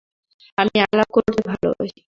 আমি আলাপ করতে ভালোবাসি।